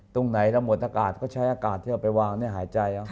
ตรงไหนเราหมดอากาศก็ใช้อากาศที่เอาไปวางในหายใจ